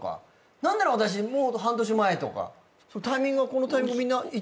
なんなら私もう半年前とかタイミングがこのタイミングみんな一致する？